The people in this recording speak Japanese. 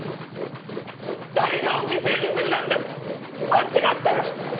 誰かを犠牲にするなんて間違ってる！